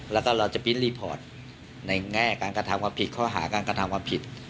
แล้วก็เราจะพินส์รีปอร์ตในแง่ข้อหาการกระทั้งความผิด